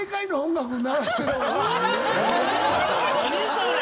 それ！